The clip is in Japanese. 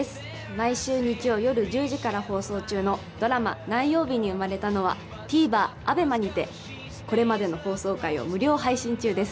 毎週日曜日に放送中のドラマ「何曜日に生まれたの」はＴＶｅｒ、Ａｂｅｍａにてこれまでの放送回を無料配信中です。